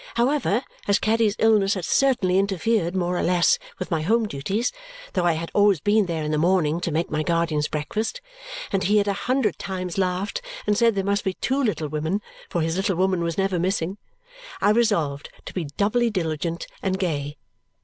However, as Caddy's illness had certainly interfered, more or less, with my home duties though I had always been there in the morning to make my guardian's breakfast, and he had a hundred times laughed and said there must be two little women, for his little woman was never missing I resolved to be doubly diligent and gay.